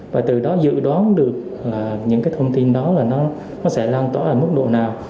và từ đó dự đoán được những thông tin đó sẽ lan tỏa mức độ nào